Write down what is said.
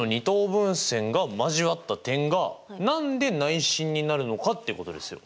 分線が交わった点が何で内心になるのかっていうことですよ！